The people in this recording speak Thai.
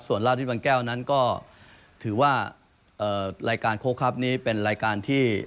ส่วนราชิตบางแก้วนั้นก็ถือว่ารายการโค้กครับนี้เป็นรายการที่